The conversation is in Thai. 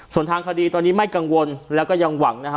ส่วนทางคดีตอนนี้ไม่กังวลแล้วก็ยังหวังนะฮะ